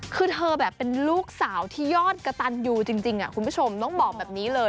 คือเธอแบบเป็นลูกสาวที่ยอดกระตันยูจริงคุณผู้ชมต้องบอกแบบนี้เลย